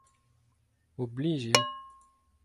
Oblij eo.